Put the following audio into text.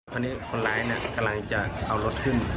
ตอนนี้คนร้ายกำลังจะเอารถขึ้น